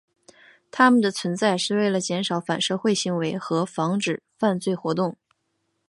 他们的存在是为了减少反社会行为和防止犯罪活动。